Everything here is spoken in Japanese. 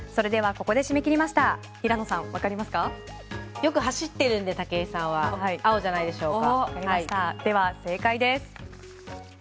よく走ってるので武井さんは。青じゃないでしょうか。